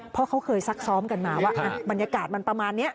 เพราะเขาเคยซักซ้อมกันมาว่าบรรยากาศมันประมาณนี้